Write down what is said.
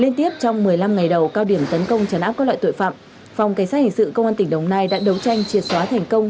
liên tiếp trong một mươi năm ngày đầu cao điểm tấn công trấn áp các loại tội phạm phòng cảnh sát hình sự công an tỉnh đồng nai đã đấu tranh triệt xóa thành công